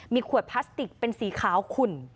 มีขวดพลาสติกเป็นสีขาวขุ่น